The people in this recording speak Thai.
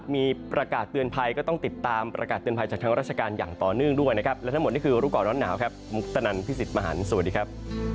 ขอร้อนหนาวครับมุกตะนันพี่สิทธิ์มหารสวัสดีครับ